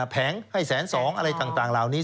แผงให้๑๐๒๐๐๐บาทอะไรต่างลาวนี้